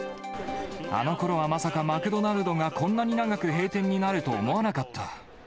あのころはまさかマクドナルドがこんなに長く閉店になると思わなかった。